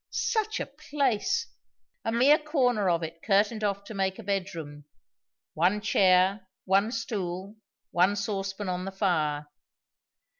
Such a place! A mere corner of it curtained off to make a bedroom. One chair, one stool, one saucepan on the fire.